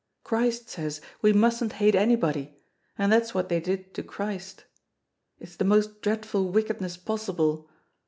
Christ says we mustn't hate anybody, and that's what they did to Christ. It is the most dreadful wickedness possible.